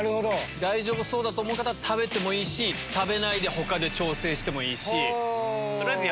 大丈夫そうだと思う方は食べてもいいし食べないで他で調整してもいいし。